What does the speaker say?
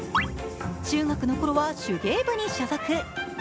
中学のころは手芸部に所属。